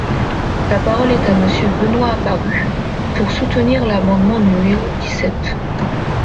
La parole est à Monsieur Benoist Apparu, pour soutenir l’amendement numéro dix-sept.